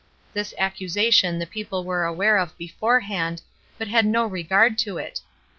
This accusation the people were aware of beforehand, but had no regard to it.